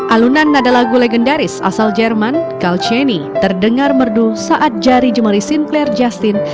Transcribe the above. alunan nada lagu legendaris asal jerman kalciene terdengar merdu saat jari jemari sinclair justin